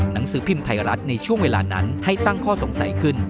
หนังสือพิมพ์ไทยรัฐในช่วงเวลานั้นให้ตั้งข้อสงสัยขึ้น